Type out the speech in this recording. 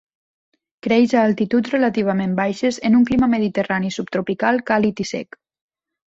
Creix a altituds relativament baixes en un clima mediterrani subtropical càlid i sec.